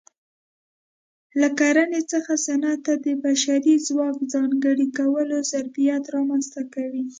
له کرنې څخه صنعت ته د بشري ځواک ځانګړي کول ظرفیت رامنځته کوي